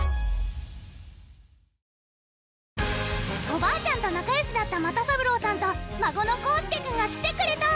おばあちゃんとなかよしだった又三郎さんと孫の宏輔くんが来てくれた！